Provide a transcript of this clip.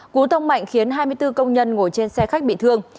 cú tông mạnh khiến hai mươi bốn công nhân ngồi trên xe khách bị thương